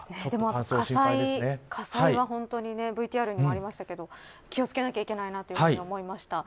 火災はＶＴＲにもありましたが気を付けないといけないなと思いました。